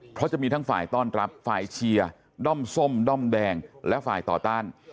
เพราะจะมีทั้งฝ่ายต้อนรับฝ่ายเชียร์ด้อมส้มด้อมแดงและฝ่ายต่อต้าน